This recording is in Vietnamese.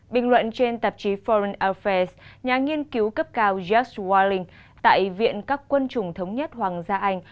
bình luận trên tạp chí foreign affairs nhà nghiên cứu cấp cao josh walling tại viện các quân chủng thống nhất hoàng gia anh